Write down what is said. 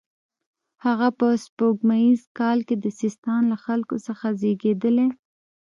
هغه په سپوږمیز کال کې د سیستان له خلکو څخه زیږېدلی.